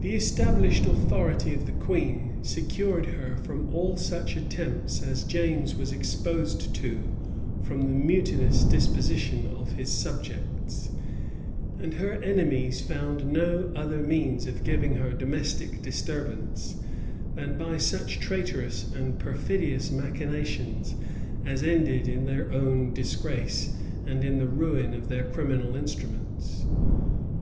The established authority of the queen secured her from all such attempts as James was exposed to from the mutinous disposition of his subjects; and her enemies found no other means of giving her domestic disturbance, than by such traitorous and perfidious machinations as ended in their own disgrace, and in the ruin of their criminal instruments.